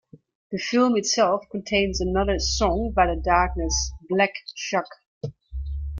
The film itself contains another song by the Darkness, "Black Shuck".